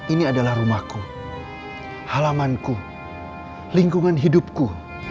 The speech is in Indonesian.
ini adalah rumahku halamanku lingkungan hidupku